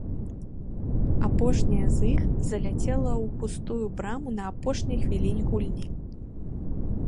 Апошняя з іх заляцела ў пустую браму на апошняй хвіліне гульні.